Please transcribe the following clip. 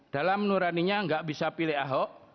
dalam nuraninya nggak bisa pilih ahok